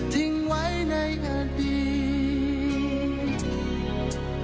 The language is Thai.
ทิ้งไว้ในอดีต